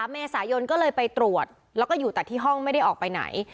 เมษายนก็เลยไปตรวจแล้วก็อยู่แต่ที่ห้องไม่ได้ออกไปไหน